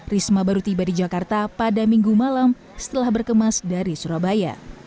risma baru tiba di jakarta pada minggu malam setelah berkemas dari surabaya